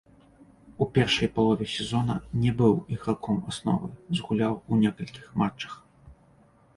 У першай палове сезона не быў іграком асновы, згуляў у некалькіх матчах.